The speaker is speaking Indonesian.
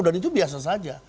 dan itu biasa saja